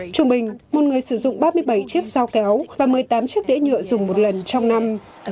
trung bình một người sử dụng ba mươi bảy chiếc sao kéo và một mươi tám chiếc đĩa nhựa dùng một lần trong năm